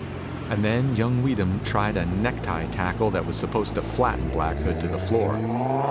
And then young Weedham tried a necktie tackle that was supposed to flatten Black Hood to the floor.